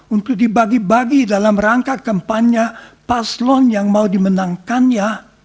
untuk dibagi bagi dalam rangka kampanye paslon yang mau dimenangkannya